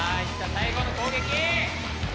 最後の攻撃！